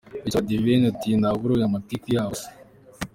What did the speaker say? – Bica Abadiventi uti “hari uyobewe amatiku yabo se !”